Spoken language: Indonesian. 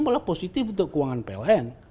malah positif untuk keuangan pln